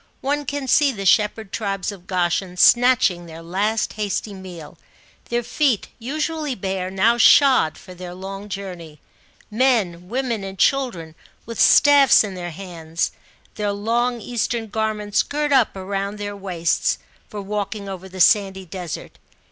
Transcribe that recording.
One can see the shepherd tribes of Goshen snatching their last hasty meal ; their feet, usually bare, now shod for their long journey ; men, women, and children with staffs in their hands, their long Eastern garments girt up round their waists, for walking over the sandy desert.